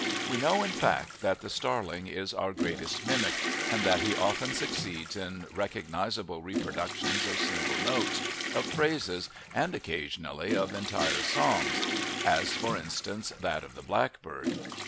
We know, in fact, that the starling is our greatest mimic, and that he often succeeds in recognizable reproductions of single notes, of phrases, and occasionally of entire songs, as, for instance, that of the blackbird.